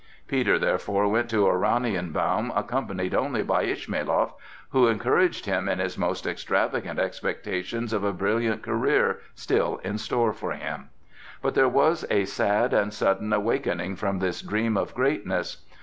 Peter therefore went to Oranienbaum, accompanied only by Ismailoff, who encouraged him in his most extravagant expectations of a brilliant career still in store for him. But there was a sad and sudden awakening from this dream of greatness.